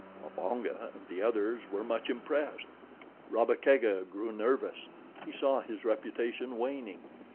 Mbonga and the others were much impressed. Rabba Kega grew nervous. He saw his reputation waning.